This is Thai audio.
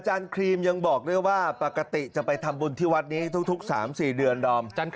จริงยังอยู่ดีค่ะยังอยู่ดีไม่เจ็บเลย